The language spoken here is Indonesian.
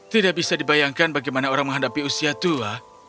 tidak bisa dibayangkan bagaimana orang menghadapi usia tua